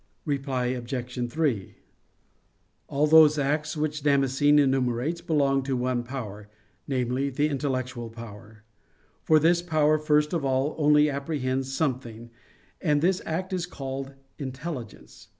Reply Obj. 3: All those acts which Damascene enumerates belong to one power namely, the intellectual power. For this power first of all only apprehends something; and this act is called "intelligence."